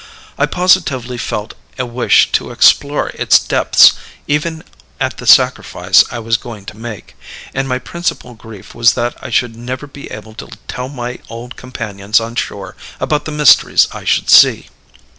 I positively felt a wish to explore its depths, even at the sacrifice I was going to make; and my principal grief was that I should never be able to tell my old companions on shore about the mysteries I should see.